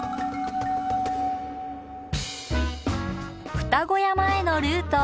両子山へのルート。